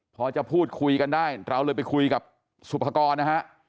พอจะพูดคุยกันได้เราเลยไปคุยกับสุภากรนะฮะ